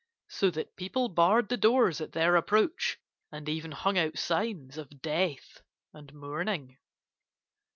So that people barred the doors at their approach, and even hung out signs of death and mourning.